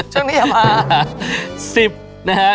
ช่วงนี้จะมา